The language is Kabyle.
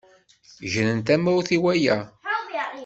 Gren tamawt i waya.